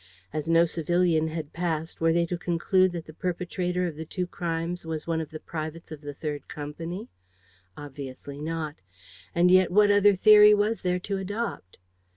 As no civilian had passed, were they to conclude that the perpetrator of the two crimes was one of the privates of the 3rd company? Obviously not. And yet what other theory was there to adopt?